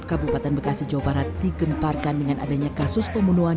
kabupaten bekasi jawa barat digemparkan dengan adanya kasus pembunuhan